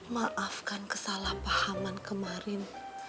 maafkan kesalahpahaman kemarin